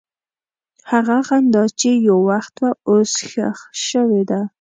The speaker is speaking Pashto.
هغه خندا چې یو وخت وه، اوس ښخ شوې ده.